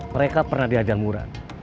mereka pernah dihadang murad